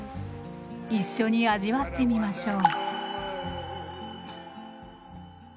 一緒に味わってみましょう。